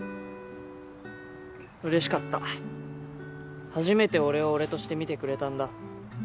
嬉しかった初めて俺を俺として見てくれたんだ